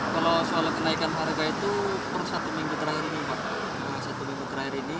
kalau soal kenaikan harga itu persatu minggu terakhir ini